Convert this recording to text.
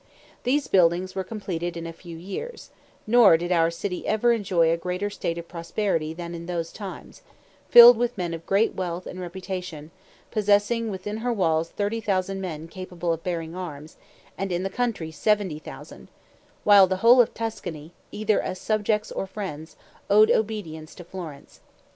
These buildings were completed in a few years; nor did our city ever enjoy a greater state of prosperity than in those times: filled with men of great wealth and reputation; possessing within her walls 30,000 men capable of bearing arms, and in the country 70,000, while the whole of Tuscany, either as subjects or friends, owed obedience to Florence.